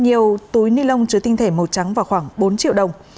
nhiều túi ni lông chứa tinh thể màu trắng và khoảng bốn triệu đồng